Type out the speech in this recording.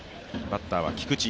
バッターは菊池。